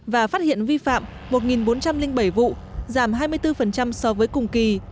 và phát hiện vi phạm một bốn trăm linh bảy vụ giảm hai mươi bốn so với cùng kỳ